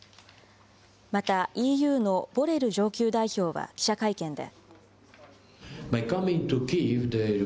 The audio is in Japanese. また、ＥＵのボレル上級代表は記者会見で。